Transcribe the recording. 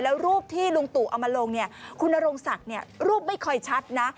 แล้วรูปที่ลุงตู่เอามาลงเนี่ยคุณนรงศักดิ์รูปไม่ค่อยชัดนะ